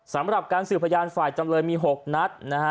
สำหรับการสืบพยานฝ่ายจำเลยมี๖นัดนะฮะ